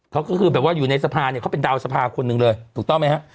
เขาก็คือแบบว่าอยู่ในสภาเนี่ยเขาเป็นดาวสภาคนหนึ่งเลยถูกต้องไหมฮะ